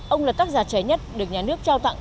ông là tác giả trẻ nhất được nhà nước trao tặng